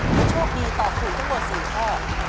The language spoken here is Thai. ถ้าโชคดีตอบถูกทั้งหมด๔ข้อ